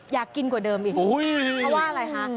อยากกินกว่าเดิมอีกเพราะว่าอะไรคะ